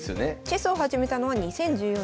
チェスを始めたのは２０１４年秋。